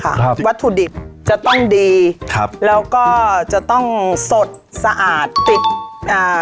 ครับวัตถุดิบจะต้องดีครับแล้วก็จะต้องสดสะอาดติดอ่า